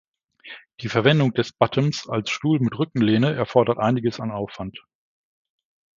Die Verwendung des Bottoms als Stuhl mit Rückenlehne erfordert einiges an Aufwand.